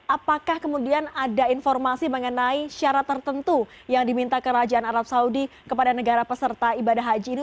apakah kemudian ada informasi mengenai syarat tertentu yang diminta kerajaan arab saudi kepada negara peserta ibadah haji ini